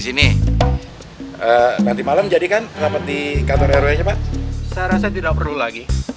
sini nanti malam jadikan sampai di kantornya rupanya pak saya rasa tidak perlu lagi